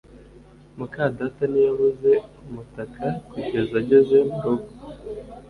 muka data ntiyabuze umutaka kugeza ageze murugo